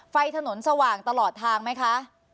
ไฟถนนสว่างตลอดทางไหมคะ